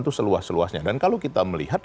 itu seluas luasnya dan kalau kita melihat